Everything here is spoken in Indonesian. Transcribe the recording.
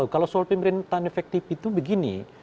kalau soal pemerintahan efektif itu begini